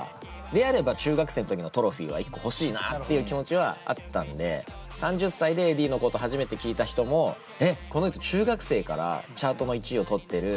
であれば中学生の時のトロフィーは１個欲しいなっていう気持ちはあったんで３０歳でｅｄｈｉｉｉのこと初めて聞いた人も「えっこの人中学生からチャートの１位を取ってる！